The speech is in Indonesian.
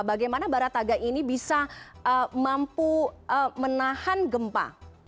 bagaimana barataga ini bisa mampu menahan gempa